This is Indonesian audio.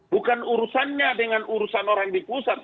bukan urusannya dengan urusan orang di pusat